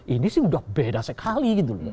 ini sih udah beda sekali gitu loh